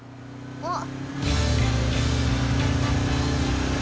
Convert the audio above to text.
あっ。